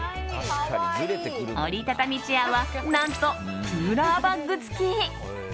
折り畳みチェアは何とクーラーバッグ付き。